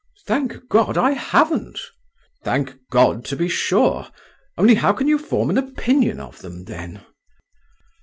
"Thank God, I haven't!" "Thank God, to be sure … only how can you form an opinion of them, then?"